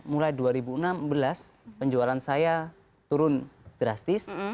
mulai dua ribu enam belas penjualan saya turun drastis